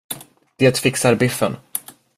Det fixar biffen.